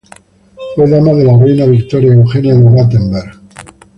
Fue Dama de la Reina Victoria Eugenia de Battenberg.